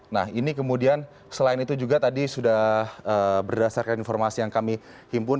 nah ini kemudian selain itu juga tadi sudah berdasarkan informasi yang kami himpun